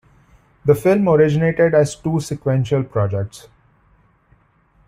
The film originated as two sequential projects.